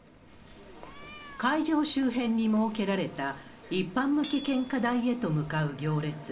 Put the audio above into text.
会場周辺に設けられた一般向け献花台へと向かう行列。